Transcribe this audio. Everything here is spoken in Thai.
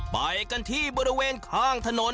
ไปกันที่บริเวณข้างถนน